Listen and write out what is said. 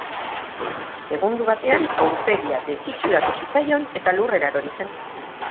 Segundu batean aurpegia desitxuratu zitzaion eta lurrera erori zen.